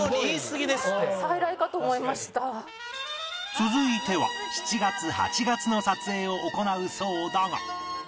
続いては７月８月の撮影を行うそうだが